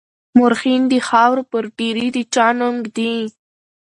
مورخين د خاورو پر ډېري د چا نوم ږدي.